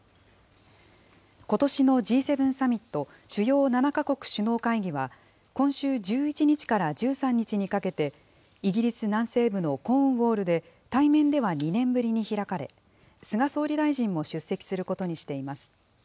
ことしのＧ７サミット・主要７か国首脳会議は、今週１１日から１３日にかけて、イギリス南西部のコーンウォールで、対面では２年ぶりに開かれ、菅総理大臣も出席することにしています。